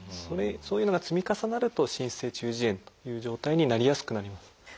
そういうのが積み重なると滲出性中耳炎という状態になりやすくなります。